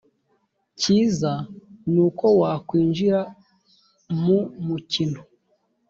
cyiza ni uko wakwinjira mu mukino